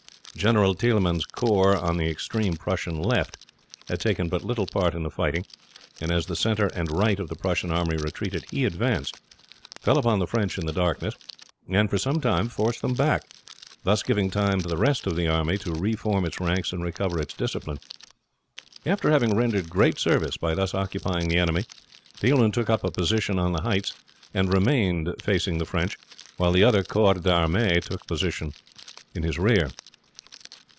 General Thielmann's corps on the extreme Prussian left had taken but little part in the fighting; and as the center and right of the Prussian army retreated he advanced, fell upon the French in the darkness, and for some time forced them back, thus giving time to the rest of the army to reform its ranks and recover its discipline. After having rendered great service by thus occupying the enemy Thielmann took up a position on the heights, and remained facing the French, while the other corps d'armé took post in his rear.